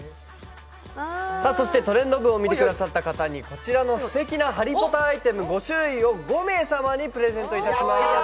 そして「トレンド部」を見てくださった方にこちらのすてきな「ハリー・ポッター」アイテムを５名様にプレゼントいたします。